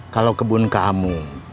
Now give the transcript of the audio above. kalau kebun kamu